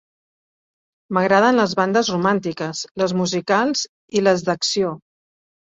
M'agraden les bandes romàntiques, les musicals i les d'acció.